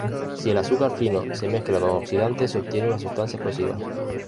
Si el azúcar fino se mezcla con oxidantes se obtiene una sustancia explosiva.